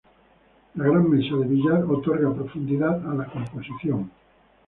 La gran mesa de billar otorga profundidad a la composición.